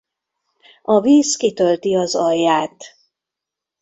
A víz kitölti az alját.